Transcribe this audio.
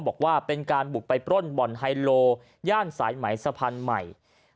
บอกว่าเป็นการบุกไปปล้นบ่อนไฮโลย่านสายไหมสะพานใหม่